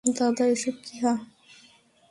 দাদা, এসব কী হাহ্?